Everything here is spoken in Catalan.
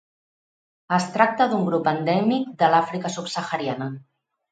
Es tracta d'un grup endèmic de l'Àfrica subsahariana.